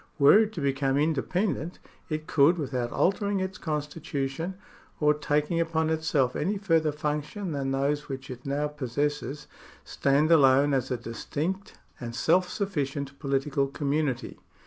Were it to become independent, it could, without altering its constitu tion, or taking upon itself any further function than those >vhich it now possesses, stand alone as a distinct and self §42] THE STATE 113 sufficient political community.